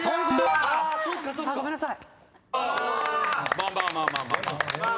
まあまあまあまあ。